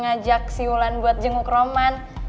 ya udah tapi ulan itu udah jenguk roman